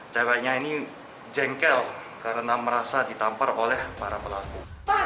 ceweknya ini jengkel karena merasa ditampar oleh para pelaku